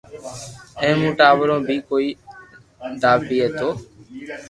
اي مون ٽاڀرو بي ڪوئي داپئي تو